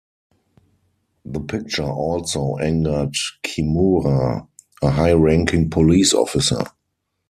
The picture also angered Kimura, a high-ranking police officer.